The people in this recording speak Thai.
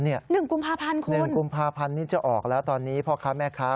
หนึ่งกุมภาพันธ์คุณนี่จะออกแล้วตอนนี้พ่อค้าแม่ค้า